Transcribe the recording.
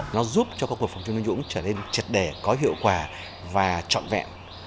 nó giúp cho các cuộc phòng chống tham nhũng trở nên chật đẻ có hiệu quả và trọn vẹn